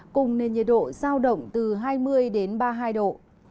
cùng nền nhiệt độ giao động từ hai mươi đến ba mươi hai độ